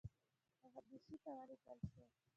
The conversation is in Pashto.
حبشې ته ولېږل شو.